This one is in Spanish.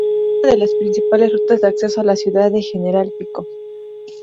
Es una de las principales rutas de acceso a la ciudad de General Pico.